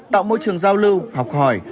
tạo môi trường giao lưu học hỏi